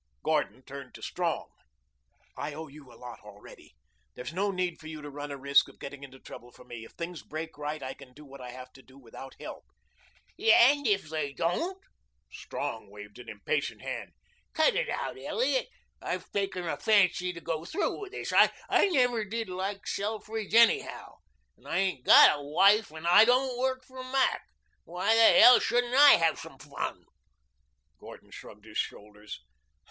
Gordon turned to Strong. "I owe you a lot already. There's no need for you to run a risk of getting into trouble for me. If things break right, I can do what I have to do without help." "And if they don't?" Strong waved an impatient hand. "Cut it out, Elliot. I've taken a fancy to go through with this. I never did like Selfridge anyhow, and I ain't got a wife and I don't work for Mac. Why the hell shouldn't I have some fun?" Gordon shrugged his shoulders.